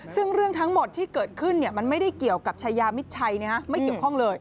ซึ่งเรื่องทั้งหมดที่เกิดขึ้นมันไม่ได้เกี่ยวกับชายามิดชัยไม่เกี่ยวข้องเลย